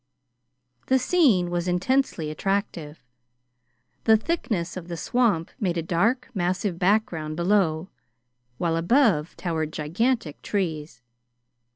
The scene was intensely attractive. The thickness of the swamp made a dark, massive background below, while above towered gigantic trees.